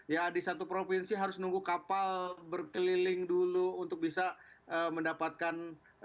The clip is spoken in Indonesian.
ya di satu provinsi harus nunggu kapal berkeliling dulu untuk bisa mendapatkan